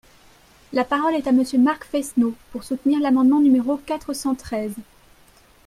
La parole est à Monsieur Marc Fesneau, pour soutenir l’amendement numéro quatre cent treize.